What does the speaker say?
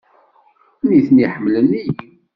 Nitni ḥemmlen-iyi.